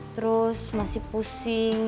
terus masih pusing